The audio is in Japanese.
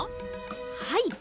はい。